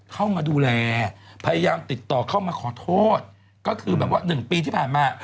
เข้ามาดูแลพยายามติดต่อเข้ามาขอโทษก็คือแบบว่า๑ปีที่ผ่านมา